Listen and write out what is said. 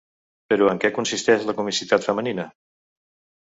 Però en què consisteix la ‘comicitat femenina’?